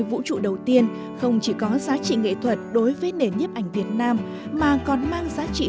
vũ trụ đầu tiên không chỉ có giá trị nghệ thuật đối với nền nhếp ảnh việt nam mà còn mang giá trị